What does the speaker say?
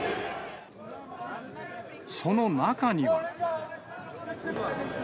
その中には。